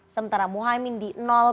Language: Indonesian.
sementara muhaimin di dua